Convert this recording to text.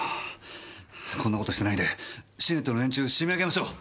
こんな事してないでシーネットの連中締め上げましょう！